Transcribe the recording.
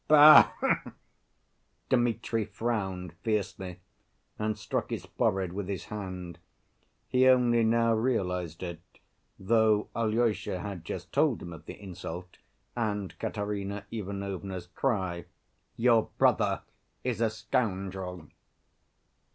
"Bah!" Dmitri frowned fiercely, and struck his forehead with his hand. He only now realized it, though Alyosha had just told him of the insult, and Katerina Ivanovna's cry: "Your brother is a scoundrel!"